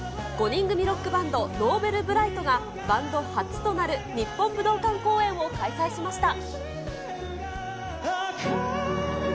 ５人組ロックバンド、Ｎｏｖｅｌｂｒｉｇｈｔがバンド初となる日本武道館公演を開催しました。